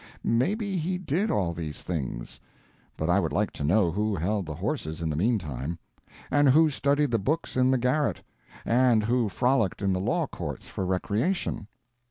Maybe he did all these things, but I would like to know who held the horses in the mean time; and who studied the books in the garret; and who frolicked in the law courts for recreation.